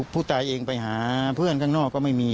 ผู้ตายเองไปหาเพื่อนข้างนอกก็ไม่มี